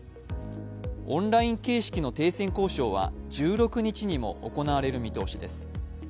オンライン形式の停戦交渉は１６日にも行われる見通しです。